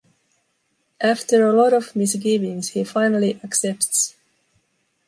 After a lot of misgivings, he finally accepts.